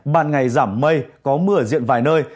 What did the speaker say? ban ngày giảm mây có mưa diện vài nơi